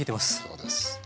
そうです。